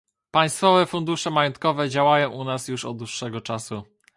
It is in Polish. Państwowe fundusze majątkowe działają u nas już od dłuższego czasu